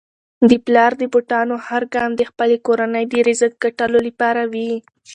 د پلار د بوټانو هر ګام د خپلې کورنی د رزق ګټلو لپاره وي.